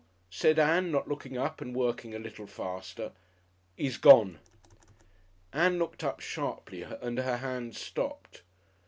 said Ann, not looking up and working a little faster. "'E's gone!" Ann looked up sharply and her hands stopped.